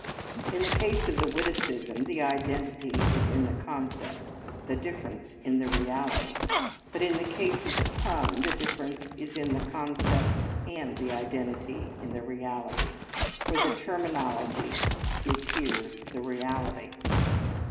In the case of the witticism the identity is in the concept, the difference in the reality, but in the case of the pun the difference is in the concepts and the identity in the reality, for the terminology is here the reality.